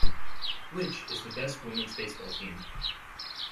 Which is the best women's baseball team?